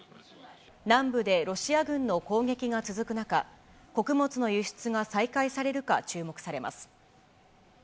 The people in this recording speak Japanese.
南部でロシア軍の攻撃が続く中、穀物の輸出が再開されるか、注目されます。